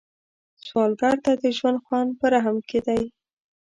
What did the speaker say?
سوالګر ته د ژوند خوند په رحم کې دی